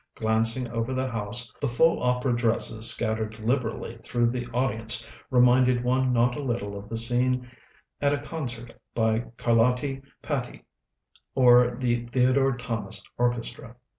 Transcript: Glancing over the house, the full opera dresses scattered liberally through the audience reminded one not a little of the scene at a concert by Carlotti Patti or the Theodore Thomas orchestra.